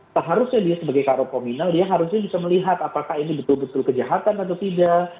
seharusnya dia sebagai karo kominal dia harusnya bisa melihat apakah ini betul betul kejahatan atau tidak